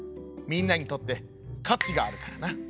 みんなにとって価値があるからな」。